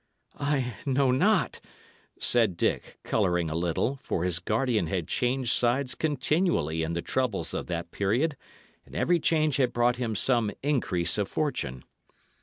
"I know not," said Dick, colouring a little; for his guardian had changed sides continually in the troubles of that period, and every change had brought him some increase of fortune.